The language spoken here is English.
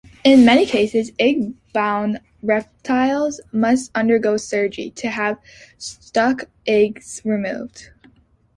In many cases, egg-bound reptiles must undergo surgery to have stuck eggs removed.